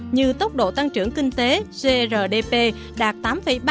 như tốc độ tăng trưởng kinh tế grdp đạt tám ba tám năm